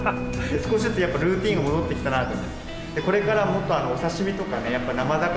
少しずつやっぱルーティンが戻ってきたなと。